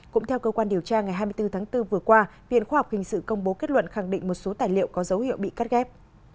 cũng theo cơ quan điều tra ngày hai mươi bốn tháng bốn vừa qua viện khoa học hình sự công bố kết luận khẳng định một số tài liệu có dấu hiệu bị cắt ghép